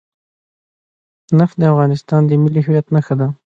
نفت د افغانستان د ملي هویت نښه ده.